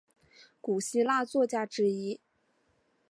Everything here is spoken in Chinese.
古希腊作家之一。